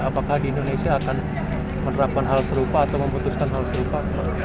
apakah di indonesia akan menerapkan hal serupa atau memutuskan hal serupa